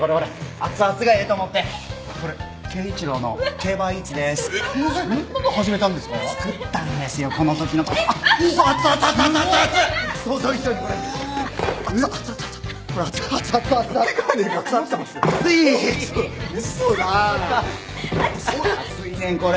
熱いねんこれ。